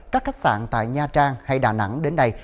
các khách sạn tại nha trang hay đà nẵng đến đây